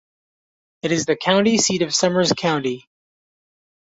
It is the county seat of Summers County.